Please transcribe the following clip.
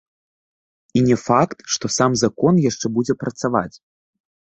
І не факт, што сам закон яшчэ будзе працаваць.